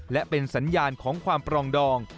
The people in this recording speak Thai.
และเป็นสัญญาณของความปรองดอง